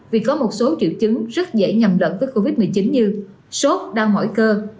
vì có một số triệu chứng rất dễ nhầm lẫn với covid một mươi chín như sốt đau mỏi cơ